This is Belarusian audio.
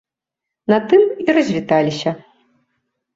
На тым і развіталіся.